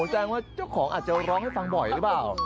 แจ้งว่าเจ้าของอาจจะร้องให้ฟังบ่อยหรือเปล่า